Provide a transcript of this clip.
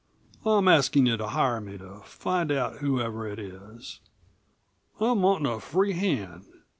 I'm askin' you to hire me to find out whoever it is. I'm wantin' a free hand.